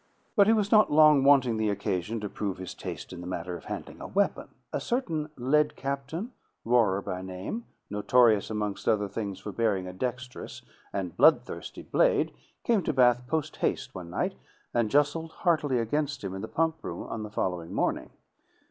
But he was not long wanting the occasion to prove his taste in the matter of handling a weapon. A certain led captain, Rohrer by name, notorious, amongst other things, for bearing a dexterous and bloodthirsty blade, came to Bath post haste, one night, and jostled heartily against him, in the pump room on the following morning.